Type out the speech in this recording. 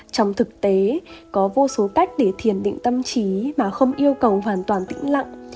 trong thực tế có vô số cách để thiền định tâm trí mà không yêu cầu hoàn toàn tĩnh lặng